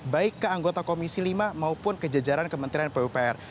baik ke anggota komisi lima maupun ke jajaran kementerian pupr